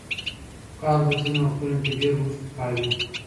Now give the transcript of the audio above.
کال په ځینو وختونو کې ډېر اوږد ښکاري.